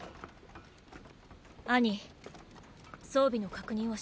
アニ装備の確認をして。